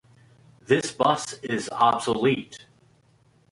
This bus is obsolete.